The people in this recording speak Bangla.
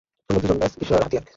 আমরা দুজন, ব্যস ঈশ্বরের হাতিয়ার।